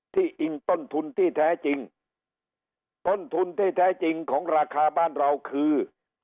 อิงต้นทุนที่แท้จริงต้นทุนที่แท้จริงของราคาบ้านเราคือ